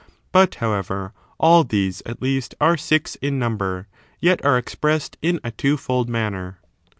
But, however, all these, at least, are six in number, yet are expressed in a twofold manner.